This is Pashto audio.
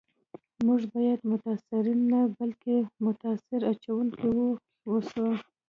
موږ باید متاثرین نه بلکي تاثیر اچونکي و اوسو